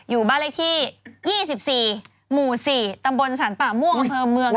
อยู่บรรยาที่๒๔หมู่๔ตำบลสันปะม่วง